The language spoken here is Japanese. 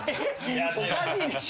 おかしいでしょ。